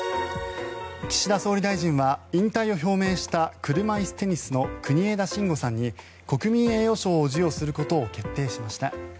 岸田総理大臣は引退を表明した車いすテニスの国枝慎吾さんに国民栄誉賞を授与することを決定しました。